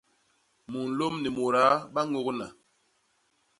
Munlôm ni mudaa ba ñôgna.